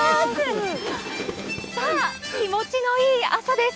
さあ、気持ちのいい朝です。